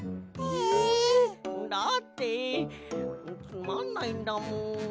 だってつまんないんだもん。